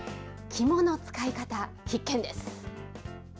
肝の使い方、必見です。